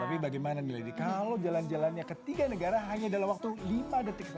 tapi bagaimana nih lady kalau jalan jalannya ke tiga negara hanya dalam waktu lima detik saja